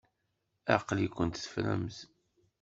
Aql-ikent teffremt.